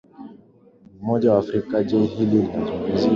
umoja wa afrika je hili unalizungumzia